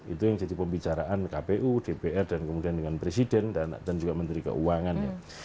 itu yang jadi pembicaraan kpu dpr dan kemudian dengan presiden dan juga menteri keuangan ya